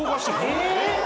え！？